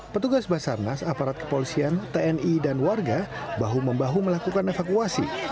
petugas basarnas aparat kepolisian tni dan warga bahu membahu melakukan evakuasi